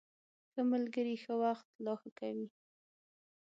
ښه ملګري ښه وخت لا ښه کوي.